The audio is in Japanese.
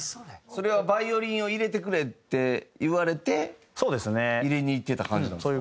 それはバイオリンを入れてくれって言われて入れに行ってた感じなんですか？